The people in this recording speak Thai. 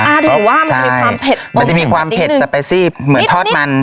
ถือว่ามันมีความเผ็ดมันจะมีความเผ็ดสเปซี่เหมือนทอดมัน